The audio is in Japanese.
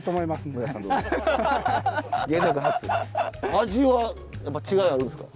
味はやっぱ違いあるんですか？